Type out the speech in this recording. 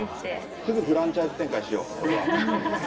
すぐフランチャイズ展開しよう、これは。